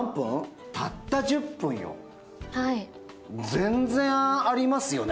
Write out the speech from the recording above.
全然ありますよね。